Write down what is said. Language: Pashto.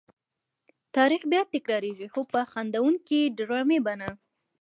تاریخ بیا تکرارېږي خو په خندوونکې ډرامې بڼه.